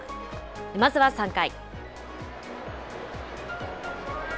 まずは３回。